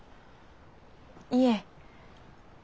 いえ。